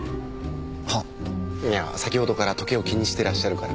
は？いや先ほどから時計を気にしてらっしゃるから。